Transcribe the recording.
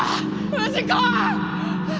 藤子